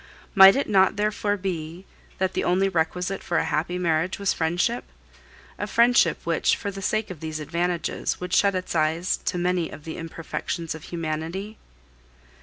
Might it not therefore be that the only requisite for a happy marriage was friendship a friendship which, for the sake of these advantages, would shut its eyes to many of the imperfections of humanity?